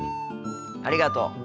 ありがとう。